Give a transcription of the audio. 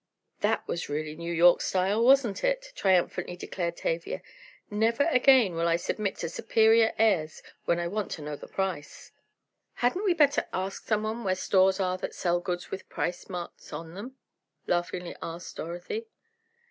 "That was really New York style; wasn't it?" triumphantly declared Tavia. "Never again will I submit to superior airs when I want to know the price." "Hadn't we better ask someone where stores are that sell goods with price marks on them?" laughingly asked Dorothy.